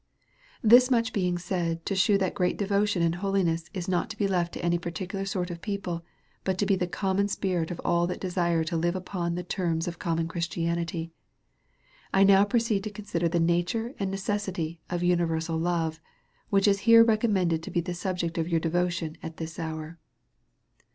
Thus much being said to shew that great devotion and holiness is not to be left to any particular sort of people, but to be the common spirit of all that desire to live up to the terms of common Christianity ; I now proceed to consider the nature and necessity of univer sal love, which is here recommended to be the subject of your devotion at this hour.